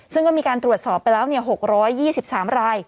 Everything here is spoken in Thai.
ซึ่งก็มีการตรวจสอบไปแล้ว๖๒๓ราย